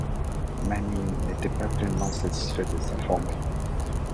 Manning n’était pas pleinement satisfait de sa formule.